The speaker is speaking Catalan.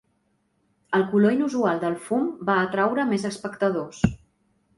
El color inusual del fum va atraure més espectadors.